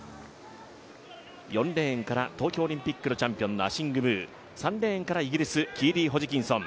４レーンから東京オリンピックのチャンピオンのアシング・ムー３レーンからイギリス、キーリー・ホジキンソン。